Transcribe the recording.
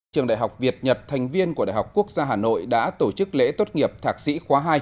trường đại học việt nhật thành viên của đại học quốc gia hà nội đã tổ chức lễ tốt nghiệp thạc sĩ khóa hai